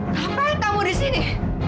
ngapain kamu disini